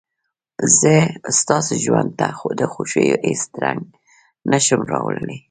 زه ستاسو ژوند ته د خوښيو هېڅ رنګ نه شم راوړلى.